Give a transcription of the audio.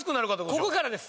ここからです。